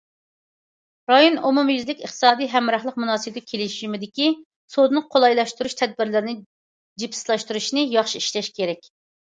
« رايون ئومۇميۈزلۈك ئىقتىسادىي ھەمراھلىق مۇناسىۋىتى كېلىشىمى» دىكى سودىنى قولايلاشتۇرۇش تەدبىرلىرىنى جىپسىلاشتۇرۇشنى ياخشى ئىشلەش كېرەك.